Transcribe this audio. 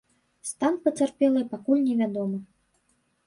Стан пацярпелай пакуль невядомы.